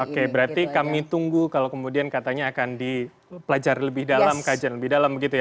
oke berarti kami tunggu kalau kemudian katanya akan dipelajari lebih dalam kajian lebih dalam begitu ya